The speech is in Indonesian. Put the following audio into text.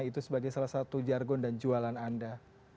itu sebagai salah satu jargon dan jualan anda